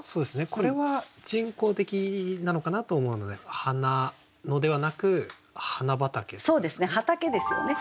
これは人工的なのかなと思うので「花野」ではなく「花畑」とかですね。